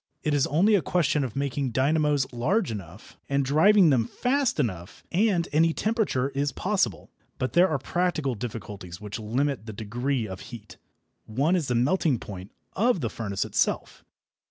It is only a question of making dynamos large enough, and driving them fast enough, and any temperature is possible. But there are practical difficulties which limit the degree of heat. One is the melting point of the furnace itself.